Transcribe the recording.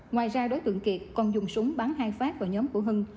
ngoài ra đối tượng kiệt còn dùng súng bắn hai phát vào nhóm của hưng